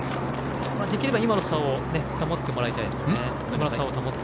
できれば今の差を保ってもらいたいですね。